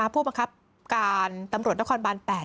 พูดมาครับการตำรวจตะคอนบาน๘